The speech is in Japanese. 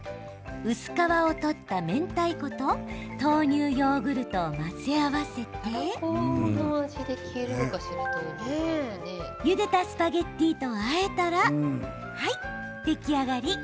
薄皮を取っためんたいこと豆乳ヨーグルトを混ぜ合わせてゆでたスパゲッティーとあえたらはい、出来上がり。